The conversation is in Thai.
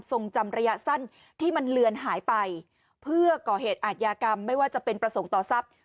ทรงจำระยะสั้นที่มันเลือนหายไป